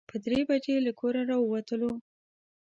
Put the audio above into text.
پر درې بجې له کوره راووتلو.